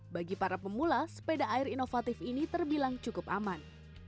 bagi para pemula sepeda air inovatif ini terbilang cukup aman